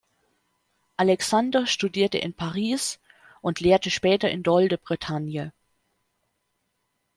Alexander studierte in Paris und lehrte später in Dol-de-Bretagne.